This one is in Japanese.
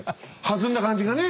弾んだ感じがね